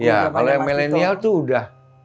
ya kalau yang millennial tuh udah